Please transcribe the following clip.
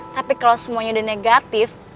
tapi kalau semuanya udah negatif